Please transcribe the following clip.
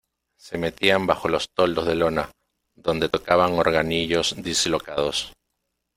se metían bajo los toldos de lona, donde tocaban organillos dislocados.